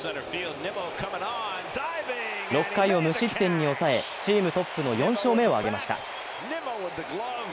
６回を無失点に抑えチームトップの４勝目を挙げました。